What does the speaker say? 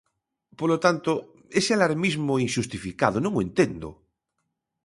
Polo tanto, ese alarmismo inxustificado non o entendo.